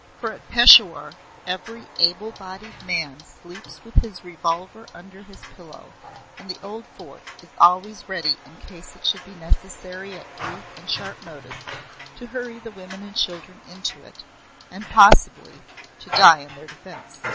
For at Peshawar every able bodied man sleeps with his revolver under his pillow, and the old Fort is always ready in case it should be necessary at brief and sharp notice to hurry the women and children into it, and possibly, to die in their defense.